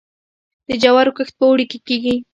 د جوارو کښت په اوړي کې کیږي.